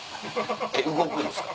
えっ動くんですか。